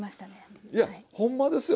いやほんまですよ